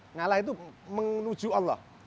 ngalah itu menuju allah